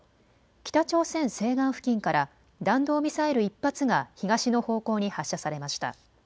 北朝鮮西岸付近から弾道ミサイル１発が東の方向に発射されました。